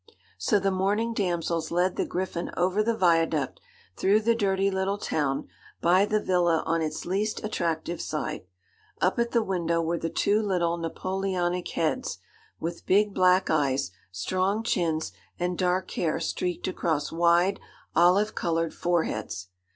So the mourning damsels led the griffin over the viaduct, through the dirty little town, by the villa on its least attractive side. Up at the window were the two little Napoleonic heads, with big, black eyes, strong chins, and dark hair streaked across wide, olive coloured foreheads.